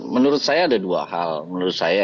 menurut saya ada dua hal menurut saya